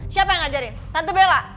siapa yang ngajarin tante bella